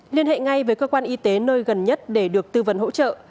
liên hệ ngay với cơ quan y tế nơi gần nhất để được tư vấn hỗ trợ